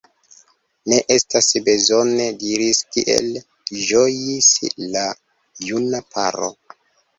Ne estas bezone diri, kiel ĝojis la juna paro.